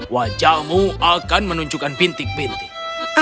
wajahmu akan menunjukkan bintik bintik